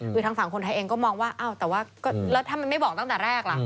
คือทางฝั่งคนไทยเองก็มองว่าอ้าวแต่ว่าแล้วทำไมไม่บอกตั้งแต่แรกล่ะ